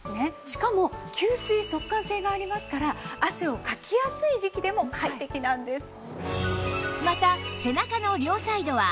しかも吸水・速乾性がありますから汗をかきやすい時期でも快適なんです。